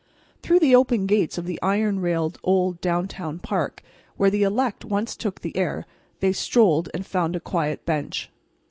Through the open gates of the iron railed, old, downtown park, where the elect once took the air, they strolled, and found a quiet bench.